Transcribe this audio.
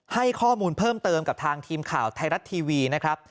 ให้ข้อมูลเพิ่มเติมกับทางทีมข่าวไทยรัฐทีวีนะครับ